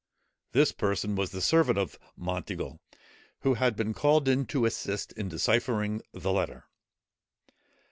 This person was the servant of Monteagle, who had been called in to assist in deciphering the letter.